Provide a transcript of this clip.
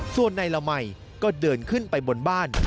ส่วนนายละมัยก็เดินขึ้นไปบนบ้าน